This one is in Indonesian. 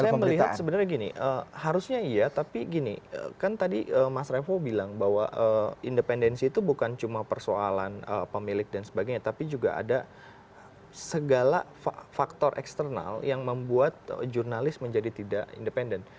saya melihat sebenarnya gini harusnya iya tapi gini kan tadi mas revo bilang bahwa independensi itu bukan cuma persoalan pemilik dan sebagainya tapi juga ada segala faktor eksternal yang membuat jurnalis menjadi tidak independen